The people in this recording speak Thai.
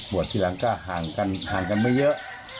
บวชที่หลังก็ห่างกันไม่เยอะ